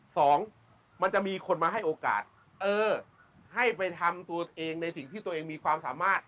สองมันจะมีคนมาให้โอกาสเออให้ไปทำตัวเองในสิ่งที่ตัวเองมีความสามารถ